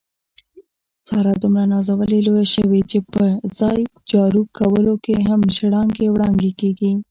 ساره دومره نازولې لویه شوې، چې په ځای جارو کولو هم شړانګې وړانګې کېږي.